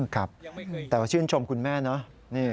ครับแต่ว่าชื่นชมคุณแม่เนอะ